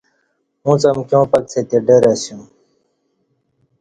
اُݩڅ امکیاں پکڅہ تی ڈر باسوم